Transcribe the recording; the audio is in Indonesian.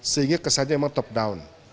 sehingga kesannya memang top down